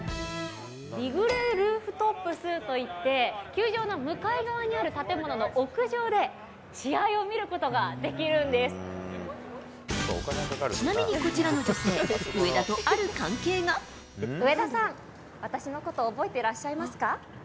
リグレールーフトップスといって、球場の向かい側にある建物の屋上で、ちなみにこちらの女性、上田さん、私のこと覚えていらっしゃいますか？